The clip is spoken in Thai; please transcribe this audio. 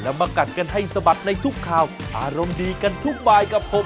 วันนี้สวัสดีครับ